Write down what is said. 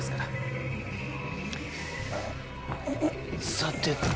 さてと。